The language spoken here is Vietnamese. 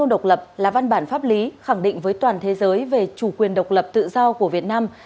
độc lập là văn bản pháp lý khẳng định với toàn thế giới về chủ quyền độc lập tự do của việt nam